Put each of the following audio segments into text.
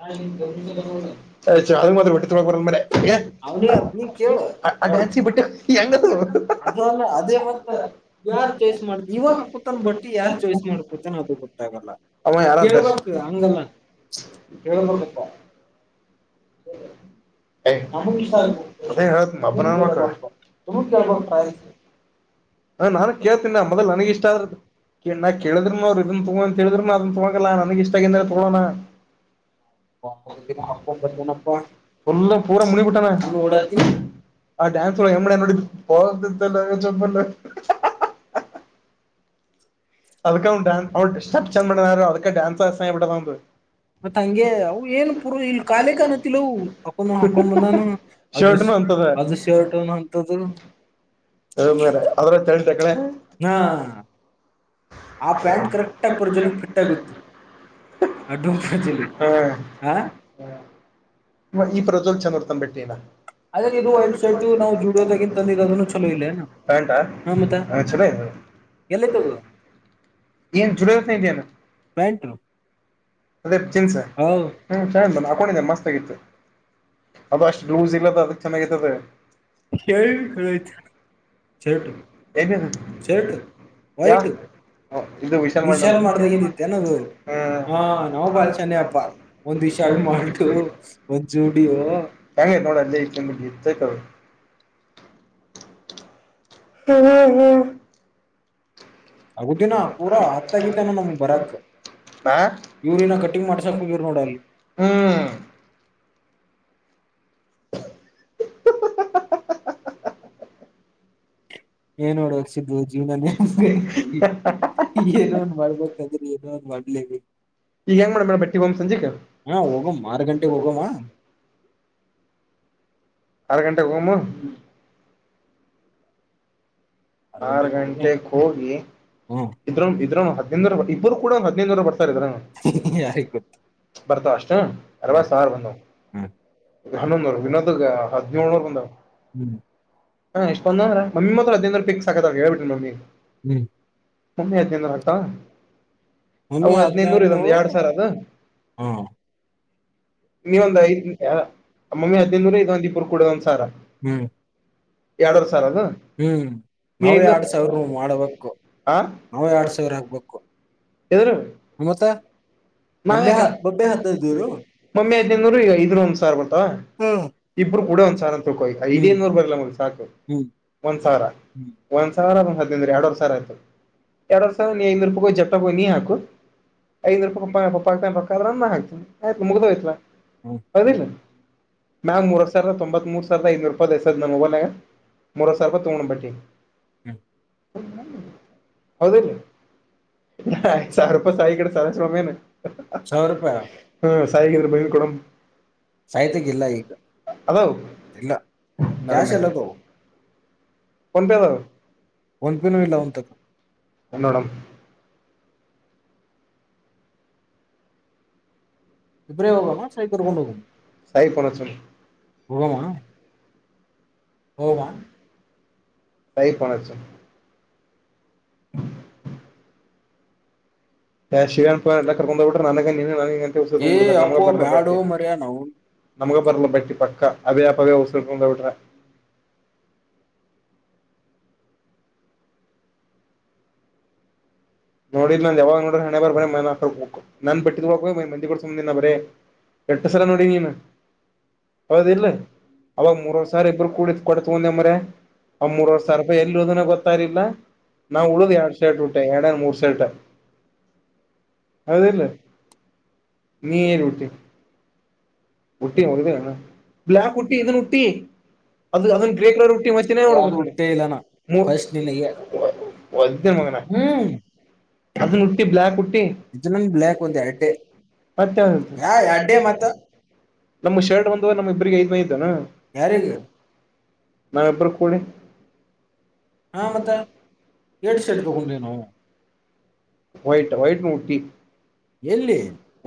ನಾಳೆ ದೊಡ್ಡ ಕಟೌಟ್ ಅವನ ಅದ ನೀ ಕೇಳ ಅದಲ್ಲ ಅದೇ ಮತ್ತ ಯಾರ್ ಚಾಯ್ಸ್ ಮಾಡದ ಇವಾಗ ಹಾಕೋತನ್ ಬಟ್ಟಿ ಯಾರ್ ಚಾಯ್ಸ್ ಮಾಡ್ಕೊತನ್ ಅದು ಗೊತ್ತಾಗಲ್ಲ ಅವಾ ಯಾರ ಡ್ರೆಸ್ ಹೇಳಬೇಕು ಹು. ಹೆ ನನ್ನ ಇಷ್ಟಾ ಅದು ಏನ್ ಹೇಳಬೇಕು ಮಬ್ಬನನ್ನ ಮಕ್ಕಳಹಿಂಗ ಇರ್ಬೇಕು ಚೋಯಿಸ್. ಹ ನಾನ ಕೇಳ್ತನಿ ಆ ಮೊದಲ್ ನನಗ ಇಷ್ಟ ಆದ್ರ ಇನ್ಮ್ಯಾಗ ಕೇಳಿದ್ರುನು ರೆಸೂಮ್ ತಗೊಂತ. ಹೇಳಿದ್ರು ನ ಅದನ್ ತೊಗಲ್ಲ ನನ್ಗೆ ಇಷ್ಟ ಆಗಿಂದ ನಾ ತಗಳೋಣ. ಮಂಕು ತಿಮ್ಮ. ಫುಲ್ ಪೂರ ಮುನಿಗಿ ಬಿಟ್ಟಾನ. ಆ ಡಾನ್ಸ್ ಎಮಮ್ಮನನೋಡ ಪೋಲ್ಲ ಚೊಬಿಲ್ಲ. ಅದಕ್ಕ ಅವ ಡ್ಯಾನ್ಸ್ ಅವ್ಟಪ್ ಚಂದು ಅದ ಡ್ಯಾನ್ಸ್ ಅಸೈ ಮಾಡ್ಯಾರ್ ಅವಂದು. ಮತ್ ಹಂಗೆ ಅವು ಏನು ಪೂರ್ ಇಲ್ ಕಾಲಿ ಅನತಿಲ್ಲವು ಹಾಕೊಂಡ ಹಾಕೊಂಡ್ ಬಂದಾನ. ಅದು ಅದು ಶರ್ಟ್ ಅನ್ನು ಹಂತದು. ಸುಮ್ಮರು ಆದ್ರು ತೆಳ್ಳ ತಕಲ್ಯಾ ಹಾ ಆ ಪ್ರಾಂಕ್ ಪ್ರೋಜೆಕ್ಟ್ ಹ ಈ ಪ್ರಜಲ್ ಚಂದೋರ್ತನ್ಬಟ್ಟಿನ ಶರ್ಟ್ಅ ಚೊಲೋ ಐತಿ ಅದ ಇದಕ್ಕ ಇದು ಪ್ಯಾಂಟ್ ಅದೇ ಜೀನ್ಸ ಹ್ಮ ಚೆಂದ ಐತಿ ಹಾಕೊಂಡಿದ್ದೆ ಮಸ್ತ್ ಆಗಿತ್ತು. ಅದ ಅಷ್ಟು ಲೂಸ್ ಇಲ್ಲದ ಅದಕ್ ಚೆನ್ನಾಗೈತದು. ಏಯ್ ಚೊಲೋ ಐತಿ ಐತನ್ನ ಶರ್ಟ್ ಯಾವುದು. ಹೋ ಇದು ವಿಶಾಲ ಮಾರ್ಟ್ ಅಲ್ಲಿ ಹು ಹಾ ಬಹಳ ಚನ್ನಾಗಿದೆ ವಿಶಾಲ್ ಮಾರ್ಟ್ ಮತ್ತ ಇದ. ಹೆಂಗ ಐತಿ ನೋಡ ಅಲ್ಲಿ ಇರ್ತತಿ ಅದು ಹು ಹು ಹು ಆಗುದಿನ ಪೂರಾ ಆತ್ತಗಿತಾನ ನಮಗ ಬರಾಕ. ಇವ್ರನ ಕಟಿಂಗ್ ಮಾಡ್ಸಾಕ್ ಹೋಗವ್ರ ನೋಡ ಅಲ್ಲಿ ಹ್ಮ್ [unintelligible] ಏನ್ ನೋಡ ಹಸಿದು ಜೀವನಬೇಕ ಏನೋ ಒಂದ ಮಾಡ್ಬೇಕಾದ್ರೆ ಏನೋ ಒಂದ ಮಾಡ್ಲೇವಿ ಈಗ ಹೆಂಗ ಮಾಡಡ ಬಟ್ಟ ಹೋ್ ಸಂಜೆ ಹಾ ಹೋಗಮ್ಮ ಆರು ಗಂಟೆಗೆಗ್ ಹೋಗಮ್ಮ ಅರ್ ಗಂಟೆಗೆ ಹೋಗಮು ಆರು ಗಂಟೆಕ್ ಹೋಗಿ ಇದ್ರ ಇದ್ರ ಹದ್ಿನೈದ ಇಬ್ಬರು ಕೂಡ ಒಂದ್ ಹದ್ೈದುವರೆ ಬರ್ತಾರ ಇದ್ರ ಬರ್ತಾ ಅಷ್ಟ ಹ್ಮ ಹ್ಮ್ ಹನ್ನೊಂದರ್ ವಿನೋದಗ ಹದ್ಿನೇಳಳ್ನೂರ್ ಬಂದ ಹ ಎಷ್ಟ ಬಂದಂದ್ರ ಮಮ್ಮಿ ಮಾತ್ರ ಅದೇಂದ ಪಿಕ್ಸ್ ಆಗದ ಹೇಳ್ಿ ನಮ್ಮಿ ಹ್ಮ್ ಒಮ್ಮೆ ಹದಿನೈದುನೂರ ಆಗ್ತಾ ಅವು ಹದ್ಿನೈದುನೂರ ಇದಂದು ಎರಡ್ ಸಾವಿರ ಅದ ನೀ ಒಂದ ಈ ಯಾರ ಮಮ್ಮಿ ಹದ್ೈದುನೂರ ಇದ ಒಂದ್ ಇಬ್ರು ಕುೂಡಿದ ಒಂದ್ಸಾರ ಎಡ ಸ ಹ್ಮ್ ನಾವೇ ಆರಡ್ ಸಾವಿರ ಮಾಡಬೇಕು ನಾವೇ ಆರ್ಡ್ ಸಾವಿರ ಹಾಕ್ಬೇಕು ಇದೇನು ಹಾ ಮಮತ ಮಮ್ಮಿ ಹಐದ್ನೈದನೂರು ಈಗ ಇದಐ್ರು ಒಂದ್ ಸಾರ್ ಬರ್ತವಾ ಇಬ್ರು ಕಡ ಒ್ ಸಾರ ತೋೋಗಐ ಇದೇನ್ೂರು ಬರ್ಲ್ಲ ಮ್ ಸಾಕು ಒಂದ್ ಸಾವಿರ ಒಂದ್ ಸಾವಿರ ಒಂದ್ ಹದಿನಿಂದ್ರೆ ಎರಡವ ಸಾವಿರ ಆಯ್ತದ ಎರಡ್ರ್ ಸಾವಿ ನೀ ಐನೂಪಿ ಜಟ್ಟ ನೀ ಹಾಕು ಐದನೂ ರೂಪಾಯ [unintelligible] ನ್ನ ಹಾಕ್ತನಿ ಆಯ್ತ್ ಮುಗ್ದೋಯ್ತಲ ಅರ್ದಿಲ್ಲ ಮ್ಯಾಮ್ ಮೂವತ್ ಸಾವಿರದ ತೊಂಬತ್ ಮೂರ್ ಸಾವಿರದ ಐನೂರು ರೂಪಾಯ್ಸತದ ನಮ್ಬಲ್ಯಾಗ ಮೂೊರ ಸಾರಪ ತಗಣ ಬಟ್ಟಿ ಹ್ಮ ಹೌದೇರಿ ಹಾ ಐದು ಸಾವಿರ ತಾ ಇಕಾಡಿ [unintelligible] ಹ್ಮ ಸಾಯಗ್ರ ಬಯಿನ ಕುಡ ಹಲೋ [inaudible] ಫೋನೆಪೆ ಅದಾನ ಫೋನ್ಪೆ ನೋಡಣ ಇಬ್ರ ಹೋಗಾಮ ಸೈಕರ್ಕೊಂಡ ಹೋಗ ಹೋಗಾಮ ಹಮ ತೈಫೋಣ ಹಚ್ಚ ಶಿವರನ್ು ಎ ಕರ್ಕೊಂಡೊೋಗಬ ಬಿ್ರ ನನನ ಸ ತಂಬ ನಮ ಬರದ ಬಟ್ಟೆ ನಮ್ಗ ಬರ್ಲ ಬಟ್ಟಿ ಪಕ್ಕ ಅಭೇ ಆಪ ಅೇ ಔಷಧ ತಂದಊಟಾ ನೋಡಿಲ್ ನಾನ್ ಯಾವಾಗ ನೋಡ್ರೆ ಹಣೆ ಬ್ರ ನನ್ ಬಟ್ಟಿದ ಹೋಗ ಮಂದಿ ಸು್ ಬರೀ ಎಟ್ಟು ಸಲ ನೋಡಿ ನೀನು ಹೌದ ಇಿಲ್ಲ ಅವ ಮೂರವ ಸಾರ್ ಇಬ್ಬರು ಕೂ ಕೊಡ್ತಗಂದ ಮಾರಾಯ ಅವ್ ಮೂರವರ್ ಸಾವಿರ ರೂಪಾಯಿ ಎಲ್ಲಿ ಉದನ ಗೊತ್ತಾರ್ಲಿಲ್ಲ ನಾ್ ಉಳ್ದ್ ಎಡ್ ಶರ್ಟ್ ವಿಟ್ಟ ಏನನ್ ಮೂರು ಶರ್ಟ ಹೌದಲ್ಲ ನೀರು ಊಟ್ಟಿ ಉಟ್ಟಿ ಬ್ಲಾಕ್ ಉಟ್ಟಿ ಎಂದನು ಉಟ್ಟಿ ಅದು ಅದನ್ ಗ್ರೇ ಕಲರ್ ರೊಟ್ಟಿ ಮತ್ತನೇ ನಡಕೋ ನೋ [unintelligible] ಒದ್ದೇ ಮಗನಾ ಅದನ್ನು ಉಟ್ಟಿ ಬ್ಲಾಕ್ ಉಟ್ಟಿ ಮತ್ತೆ ನಮ ಶರ್ಟ್ ಒಂದುವರೆ ನಮ್ ಇಬ್ರಿಗೆ ಐದ್ ಮೈತನಾ ಯಾರೀಗೆ ನಾವೆಬ್ಬರು ಕೂಡಿ ಹಾ ಮತ್ತ ಎ ಶೇ [unintelligible] ವೈಟ್ ವೈಟ್ ಉಟ್ಟಿ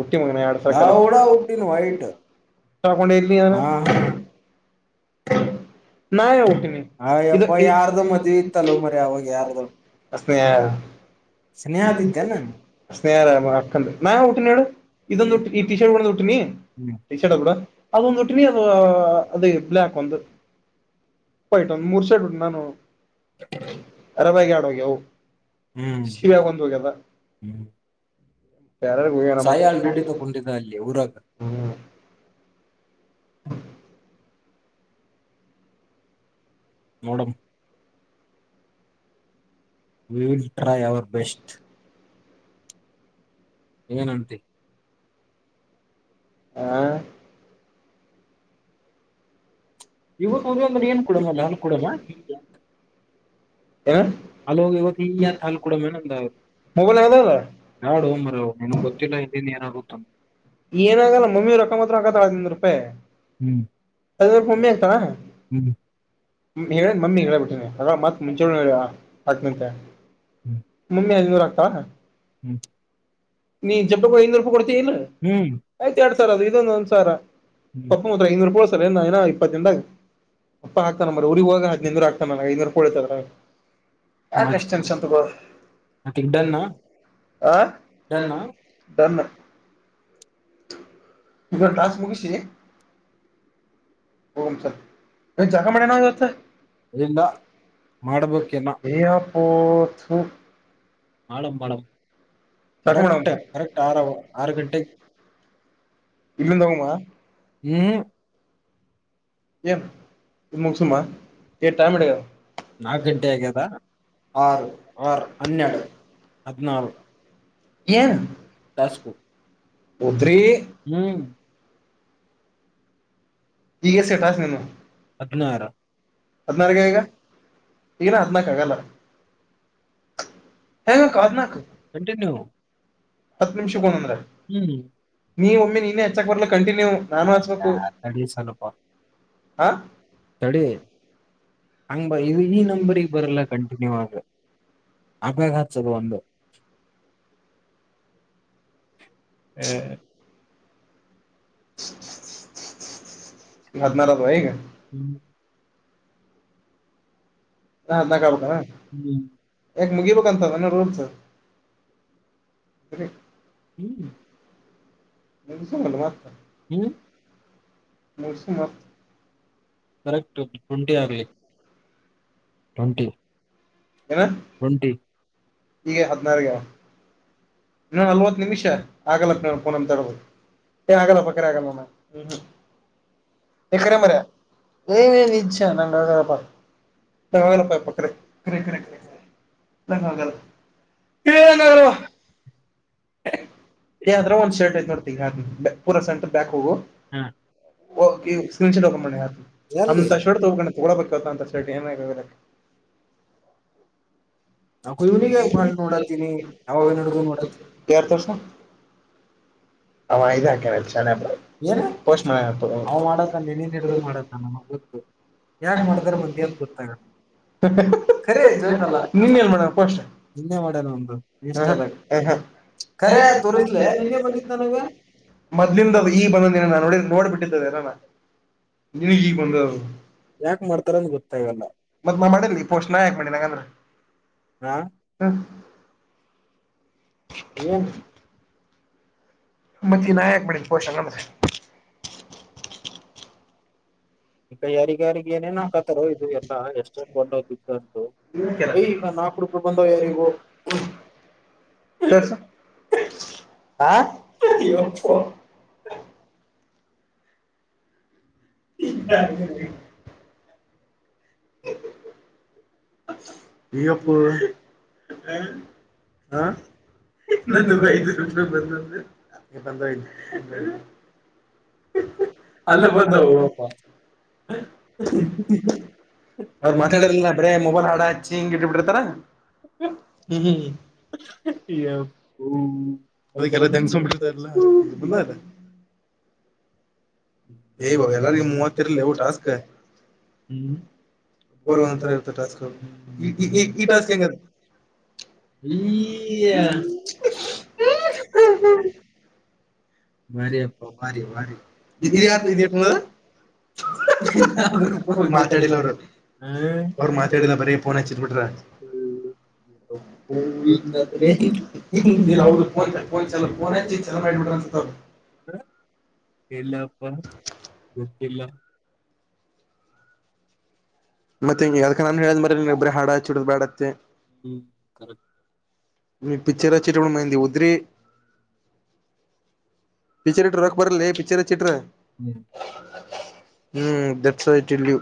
ಉಟ್ಟಿ ಮನ ಎಡು ಸರ ಕಲ ಹಾ ಹಾ [unintelligible] ನಾ ಹಟಿನಿ ಸ್ನೇಹ ಸ್ನೇಹಾರ ಅ ನಾ ಊಟಿನಡು ಇದೊಂದು ಹುಟ್ಟಿ ಈ ಟಿ ಶರ್ಟ್ ಕೂಡ ಒಂದು ಹುಟ್ಟಿನಿ ಟಿ ಶರ್ಟ್ ಕೂಡ ಅದೊಂದು್ ಹುಟ್ಟಿನಿ ಅದು ಅದ ಬ್ಲಯಾಕ್ ಯ ಒಂದು ಮೂರು ಸೈನ [unintelligible] ಅರಬಗೆ ಆಡ್ ಗಿವು ಶಿವ ಒಂದ ಹೋಗ್ಯದ ಬೇರೆಡೆ ಗೋಗಮ್ಮ ಹ್ಮ ನೋಡ we will try our best ಏನ್ ಅಂತಿ ಹಾ ಇವತ್ತು ಹದ ಒಂದ್ರ ಏನ್ ಕೊಡೋಲ್ಲ ಅನ್ ಕೊಡಲ್ಲ ಹ್ಮ ಅಲ್ಲಿಗಿ ಇವತ್ತು ಹ ಹಾ ಕೂಡ ಮೇನ ನಾಡು ಹ್ ಮರ್ ನಿನಗ್ ಗೊತ್ತಿಲ್ಲ ಇಲ್ಲಿನ್ ಏನಗುತ್ತ ಏನಾಗಲ್ಲ ಮಮ್ಮಿ ರೊಕ್ಕ ಹತ್ರ ಹಕತ್ತ ಹದಿನ ರೂಪಾಯಿ ಅದ ಒಮ್ಮೆ ಆಗ್ತಾನ ಮಮ್ಮಿ ಹ ಹೇಳ ಬಿಟ್ಟೇನಿ ಮತ್ ಮುಂಚೆ ಹೇಳ ಹಾಕ್ನಂತೆ [unintelligible] ಮಮ್ಮಿ ಅಲ್ಲಿನೂರು ಆಗ್ತಾ ಹ್ಮ್ [unintelligible] ನೀನ್ ಚಪ್ಪಕ್ಕೆ ಐನೂರು ರೂಪಾಯಿ ಕೊಡ್ತೀ ಇಲ್ ಆಯ್ತ ಎರಡ್ ಸಾರ್ ಅದು ಇದೊಂದ ಒಂದ್ ಸಾರ ಪಪ್ಪ ಮಾತ್ರ ಐನೂರು ರಪಾಳಸರ್ಏ ಏ ಇಪ್ಪತ್ತು ದಿನದಾಗ ಅಪ್ಪ ಹಾಕ್ತಾನ ಊರಿಗೆ ಹೋಗ ಹ್ ನದುರು ಆಗ್ತಾನನ ಐ್ರು ಕೊತದ ಯಾಕ ಎಷ್ಟ ಟೆನ್ಷನ್ ತಗೋದು ಆ ನ್ನ [unintelligible] ಇದು ಒಂದು ಟಾಸ್ಕ್ ಮುಗ್ಸಿ ಹೋಗೋಣ ಜಾಗ ಮರಾನತ [unintelligible] ಒಥ [unintelligible] ಆಳಂಬಳಂ ಕರೆಕ್ ಕರೆಕ್ ಆರು ಆರು ಗಂಟೆ ಇಲ್ಲಿಂದ ಹೋಗಮ್ಮ ಹ್ಮ ಏನ್ ನಿಮಗ್ ಸುಮ್ಮ ಏ ಟೈಮ್ ಅಡ ಹೌ ಹ ಹೇಳ ಹದಿನಾರು ಏನು ಟಾಸ್ಕೋ ಹ್ಮ್ ಹದಿನಾರ ಹದಿನಾರಕ ಈಗ ಈಗಿನ ಹದನಾಕ ಆಗಲ್ಲ. ಹೆ ಅದ್ನಾಕು. ಕಂಟಿನ್ಯೂ ನಿ ಹ್ಮ್ [inaudible] [unintelligible] ತಡಿ ಹಂಗ ಬ ಈ ನಂಬರಿಗೆ ಬರಲ್ಲ. ಕಂಟಿನ್ಯೂ ಆದ್ರ. ಆಪ್ಯಾಗ ಹಚ್ಚ ಅದು ಒಂದು. [inaudible] ಹದ್ನಲವಾ ಈಗ. ಹ್ಮ್. ಇನ್ನ ಹದ್ನಲಕ ಆಗಬೇಕ ಅನ್ ಯಾಕ್ ಮುಗಿಬೇಕಂತನ್ ರೂಲ್ಸ್. [unintelligible] ಹ್ಮ್. [unintelligible] ಮುಗ್ಸಿ ಮತ್ತ್. ಕರೆಕ್ಟ್ ಟ್ವೆಂಟಿ ಆಗ್ಲಿ. ಟ್ವೆಂಟಿ. ಏನ. ಟ್ವೆಂಟಿ. ಈಗ ಹದ್ನಾರ ಆಗ್ಯಾವ. ನಾ ನಲ್ವತ್ತು ನಿಮಿಷ ಆಗಲ್ಲಪ್ಪ ನಾನ ಫೋನ ತಡಬೋದು ಏ ಆಗಲ್ಲ ಪಾ ಕರೆ ಆಗಲ್ಲ ಹ್. ಎ ಕರೆ ಮರ್ಯಾ [unintelligible] [unintelligible] ಕರಿ ಕರಿ ಕರಿ ನಂಗ್ ಆಗಲ್ಲ ಏ ನಂಗ್ ಆಗಲ್ಲವ್ವ. ಏ ಆದ್ರಗ ಒಂದ್ ಶರ್ಟ್ ಐತಿ ನೋಡ್ತ ಪೂರ ಸೆಂಟರ್ ಬ್ಯಾಕ್ ಹೋಗು. ಹೋಗಿ ಸ್ಕ್ರೀನ್ ಶರ್ಟ್ ಹಾಕೊಂಡ್ ಬಾ ನಿ ಹೇಳ್ತೇನೆ ಅಂತ ಶರ್ಟ್ ತಗೊಳ್ಬೇಕ ಅಂತ ತಗೋಳಬೇಕ್ ಹಂತ ಶರ್ಟ್ ಏನನ ಬೈವ್ಯಾಲ್ಯಾಕ. ಇವನಿಗೆ ಬಾಳ ನೋಡಾತಿ ನಿ ಆವಾಗಿನ ಹಿಡದ ನೋಡಕತಿನಿ. ಯಾರ್ ತೋರ್ಸು. ಅವ ಇದದು ಹಾಕೇನ ಚೆನಾಗ್ [unintelligible] ಏನ ಅವ ಮಾಡದ. ನೆನ ನಡು ಮಾಡದ ನ ಗೊತ್ತು ಯಾಕ ಮಾಡಿದ್ರೆ ಮಂದಿ ಗೊತ್ತಾಗಲ್ಲ. ಖರೇ ಜೋಕಲ್ಲ ನಿನ್ನೆ ಮಾಡೇಣ ಒಂದು ಇನ್ಸ್ಟಾದಾಗ. ಹ ಹಾ. ಖರೆ ತೋರ್ಸ್ಲ ನಿನ್ನೆ ಬಂದಿದ್ದ ನನಗ. ಮೊದ್ಲಿಂದ ಈ ಬಂದ ನಾ ನೋಡಿ ಬಿಟ್ಟಿದ್ದದ ಎಲ್ಲಾನ. ಯಾಕ ಮಾಡ್ತಾರಂತ ಗೊತ್ತಾಗಲ್ಲ. ಮತ್ ಮಾ ಮಾಡರ್ಲಿ ಪೋಸ್ಟ್ ನ ಯಾಕ್ ಮಾಡೆನಿ ಹಂಗ್ ಅಂದ್ರ ಹ್ಮ್. ಏನ. ಮತ್ತೆ ನಾ ಯಾಕ ಮಾಡೇನ ಪೋಸ್ಟ್ ಹಂಗ್ ಅಂದ್ರ. ಈಗ ಯಾರಿಗ ಯಾರಿಗೆ ಏನೇನ್ ಹಾಕತ್ತಾರೋ ಇದು ಎಲ್ಲಾ ಎಸ್ಟು [unintelligible] ಎ ಈಗ ನಾಕ್ ರೂಪಾಯ ಬಂದಾವ ಯಾರಿಗೋ. ತೋರ್ಸು ಹಾ ಯಪ್ಪಾ. [unintelligible] [inaudible] ಅಯ ಯಪ್ಪೋ. ಹಾ [unintelligible] ಬಂದ [unintelligible] ಅಲ್ಲಿ ಬಂದಾವೋ. [unintelligible] ಅವರು ಮಾತಾಡಿಲ್ಲ ಬರೇ ಮೊಬೈಲ್ ಹಾಡ್ ಹಾಕಿ ಚಿಂಗ್ ಇಟ್ಬಿತರ ಅದಕ್ಕೆಲ್ಲ ದೆಂಗುಸ್ಕೊ ಬಿಟ್ಟತ ಇಲ್ಲ ಹೇ ಇವಗ ಎಲ್ಲರಿಗು ಮೂವತ್ತ ಇರ್ಲಿ ಊ ಟಾಸ್ಕ್ ಹ್ಮ್ ಒಬ್ರ್ ಒಂದ್ ತರ ಇರುತ್ತ ಟಾಸ್ಕ್ ಈ ಟಾಸ್ಕ್ ಹೆಂಗ ಅದ್ ಈ.... ಬರಿಪ್ಪ ಭಾರಿ ಭಾರಿ ಇದು ಯಾರ್ದು ಇದು [unintelligible] ಮಾತಾಡಿಲ್ಲ ಅವರು ಹ್ಮ ಅವರು ಮಾತಾಡಿಲ್ಲ ಬರಿ ಫೋನ್ ಹಚ್ಚಿಬಿಟ್ರ [unintelligible] ಫೋನ್ ಚಲೋ ಫೋನ್ ಹಚ್ಚಿ [unintelligible] [inaudible] ಇಲ್ಲಪ್ಪ ಗೊತ್ತಿಲ್ಲ ಮತ್ತೆ ಹಿಂಗ [unintelligible] ಹ್ಮ್ ಪಿಕ್ಚರ್ ಹಚ್ಚಿರ [unintelligible] ಉದ್ರಿ ಪಿಚರ್ ಇಟ್ರ ರೊಕ್ ಬರಲ್ಲ ಪಿಕ್ಚರ್ ಹಚ್ಚಿಟ್ರ ಹ್ಮ್ ಥಾಟ್ಸ್ ಇ ಟೆಲ್ ಯು